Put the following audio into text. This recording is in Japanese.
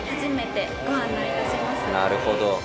なるほど。